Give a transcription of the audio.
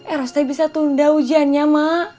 eros teh bisa tunda ujiannya emak